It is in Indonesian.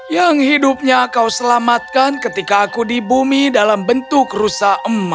yang hidupnya kau selamatkan ketika aku di bumi dalam bentuk rusa emas